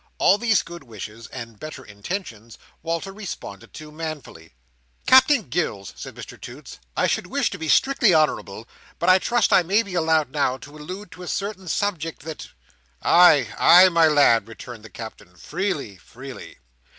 All these good wishes, and better intentions, Walter responded to manfully. "Captain Gills," said Mr Toots, "I should wish to be strictly honourable; but I trust I may be allowed now, to allude to a certain subject that—" "Ay, ay, my lad," returned the Captain. "Freely, freely."